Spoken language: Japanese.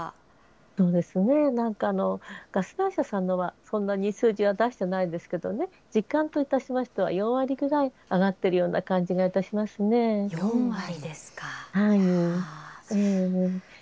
そうですね、なんかガス会社さんのはそんなに数字は出してないんですけどね、実感といたしましては４割くらい上がってるよう４割ですか。